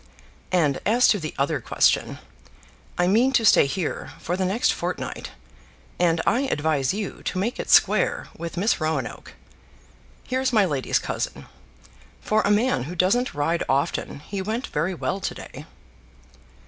And as to the other question, I mean to stay here for the next fortnight, and I advise you to make it square with Miss Roanoke. Here's my lady's cousin; for a man who doesn't ride often, he went very well to day."